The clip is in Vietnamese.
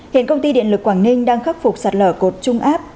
hiện công ty điện lực quảng ninh đang khắc phục sạt lở cột trung áp